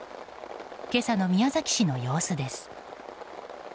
今朝の宮崎市の様子です。